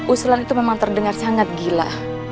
usulan itu memang terdengar sangat gila